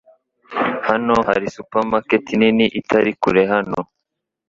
Hano hari supermarket nini itari kure hano.